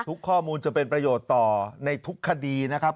ข้อมูลจะเป็นประโยชน์ต่อในทุกคดีนะครับ